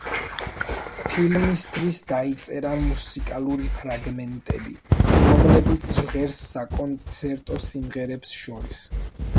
ფილმისთვის დაიწერა მუსიკალური ფრაგმენტები, რომლებიც ჟღერს საკონცერტო სიმღერებს შორის.